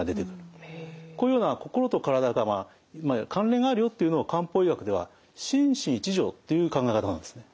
このような心と体が関連があるよっていうのを漢方医学では「心身一如」っていう考え方なんですね。